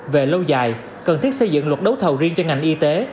về lâu dài cần thiết xây dựng luật đấu thầu riêng cho ngành y tế